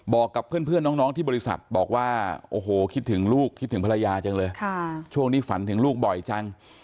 บอกกับเพื่อนน้องที่บริษัทบอกว่าโอ้โหคิดถึงลูกคิดถึงภรรยาจังเลยช่วงนี้ฝันถึงลูกบ่อยจัง